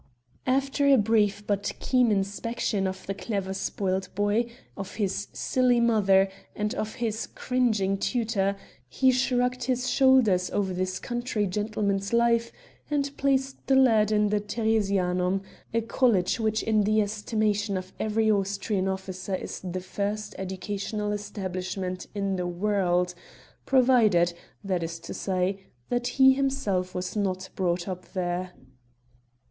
After a brief but keen inspection of the clever spoilt boy, of his silly mother, and of his cringing tutor, he shrugged his shoulders over this country gentleman's life and placed the lad in the Theresianum, a college which in the estimation of every Austrian officer is the first educational establishment in the world provided, that is to say, that he himself was not brought up there.